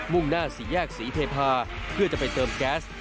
่งหน้าสี่แยกศรีเทพาเพื่อจะไปเติมแก๊ส